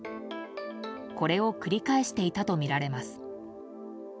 これを繰り返していたとみられます。